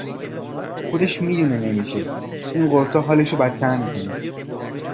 خودش میدونه نمیشه این قرصا حالش رو بدتر میکنه